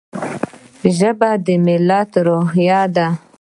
ژبه د ملت روحیه ده.